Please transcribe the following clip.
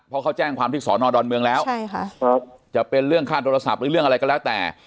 เพราะเขาแจ้งความที่สอนอดอนเมืองแล้วจะเป็นเรื่องค่าโทรศัพท์หรือเรื่องอะไรก็แล้วแต่